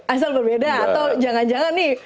asal berbeda atau jangan jangan nih